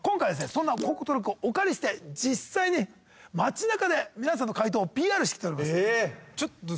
そんな広告トラックをお借りして実際に街中で皆さんの回答をＰＲしてきております。え！